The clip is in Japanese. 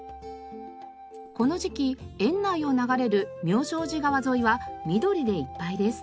この時期園内を流れる妙正寺川沿いは緑でいっぱいです。